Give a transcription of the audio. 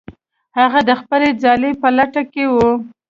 هغه د خپلې ځالې په لټه کې و.